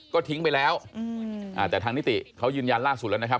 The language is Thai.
ก็ทิ้งไปแล้วแต่ทางนิติเขายืนยันล่าสุดแล้วนะครับ